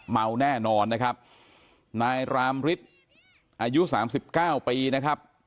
เมาแน่นอนนะครับนายรามฤทธิ์อายุสามสิบเก้าปีนะครับ